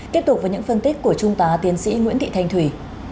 tiếp tục với những phân tích của trung tá tiến sĩ nguyễn thị thanh thủy